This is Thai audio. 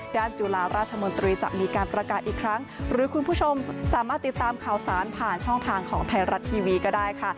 จุฬาราชมนตรีจะมีการประกาศอีกครั้งหรือคุณผู้ชมสามารถติดตามข่าวสารผ่านช่องทางของไทยรัฐทีวีก็ได้ค่ะ